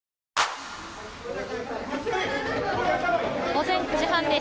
午前９時半です。